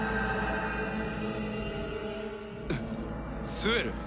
スエル！？